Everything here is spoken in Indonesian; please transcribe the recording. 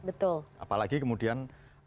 betul apalagi kemudian